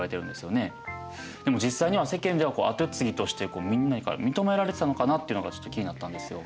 でも実際には世間では後継ぎとしてみんなから認められてたのかなってのがちょっと気になったんですよ。